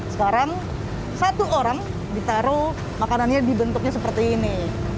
sekarang satu orang ditaruh makanannya dibentuknya seperti ini